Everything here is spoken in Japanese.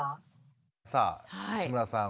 さあ志村さん